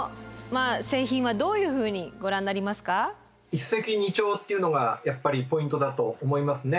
一石二鳥っていうのがやっぱりポイントだと思いますね。